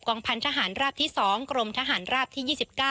พันธหารราบที่๒กรมทหารราบที่๒๙